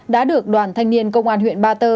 đã được đoàn thanh niên công an huyện ba tơ